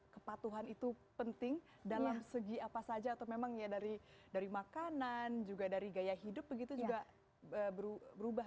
kepatuhan itu penting dalam segi apa saja atau memang ya dari makanan juga dari gaya hidup begitu juga berubah